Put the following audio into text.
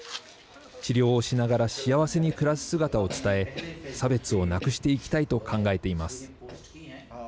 治療をしながら幸せに暮らす姿を伝え差別をなくしていきたいと考えています。